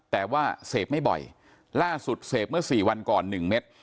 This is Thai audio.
แต่ว่าเสพไม่บ่อยล่าสุดเสพเมื่อ๔วันก่อน๑เม็ด